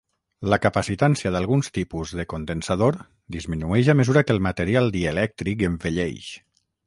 La capacitància d'alguns tipus de condensador disminueix a mesura que el material dielèctric envelleix.